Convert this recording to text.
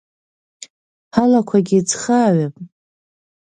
Ҳалақәагьы еицхааҩап.